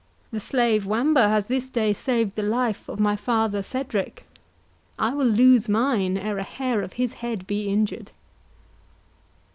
The slave Wamba has this day saved the life of my father Cedric—I will lose mine ere a hair of his head be injured."